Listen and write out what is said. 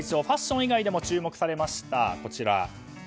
ファッション以外でも注目されました。